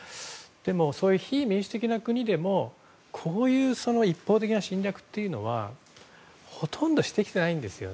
でもそういう非民主的な国でもこういう一方的な侵略というのはほとんどしてきていないんですよ。